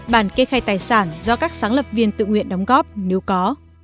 bảy bàn kê khai tài sản do các sáng lập viên tự nguyện đóng góp nếu có